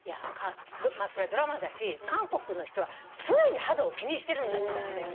まあそりゃドラマだし韓国の人は常に肌を気にしてるんだって。